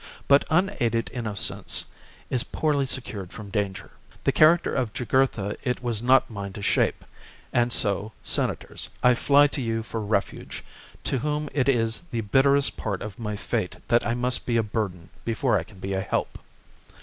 But chap. unaided innocence is poorly secured from danger ; the character of Jugurtha it was not mine to shape ; and so, Senators, I fly to you for refuge, to whom it is the bitterest part of my fate that I must be a burden before I can be a help.